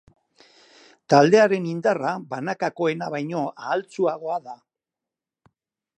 Taldearen indarra banakakoena baino ahaltsuagoa da.